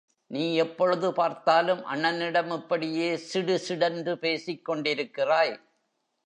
நீ எப்பொழுது பார்த்தாலும் அண்ணனிடம் இப்படியே சிடுசிடென்று பேசிக் கொண்டிருக்கிறாய்.